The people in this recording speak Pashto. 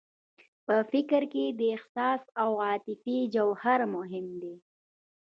په فکر کې د احساس او عاطفې جوهر مهم دی